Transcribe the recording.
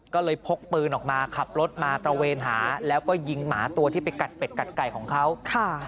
ก็เลยพกปืนออกมาขับรถมาตระเวนหาแล้วก็ยิงหมาตัวที่ไปกัดเป็ดกัดไก่ของเขาค่ะ